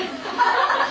ハハハハ。